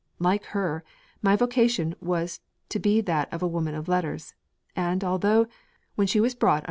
Like her my vocation was to be that of a woman of letters. And although, when she was brought under M.